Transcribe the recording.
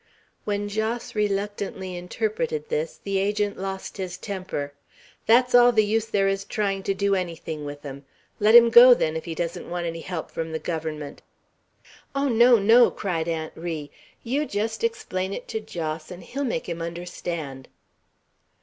When Jos reluctantly interpreted this, the Agent lost his temper. "That's all the use there is trying to do anything with them! Let him go, then, if he doesn't want any help from the Government!" "Oh, no, no." cried Aunt Ri. "Yeow jest explain it to Jos, an' he'll make him understand."